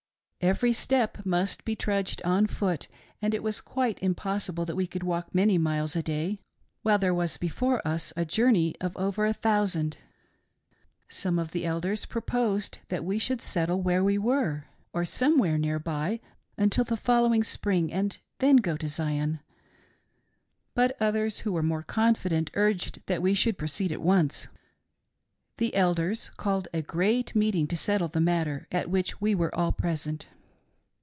Every step must be trudged on foot, sand it was quite impossible that we could walk many miles a day, while there was before us a journey of over a thou sand. Some of the Elders proposed; that we should settle ■where we were, or somewhere near by until the following .spring, and then go on to Zion ; but others who were more confident urged that we should proceed at once. The Elders called a great meeting to settle the matter, at which we were all present.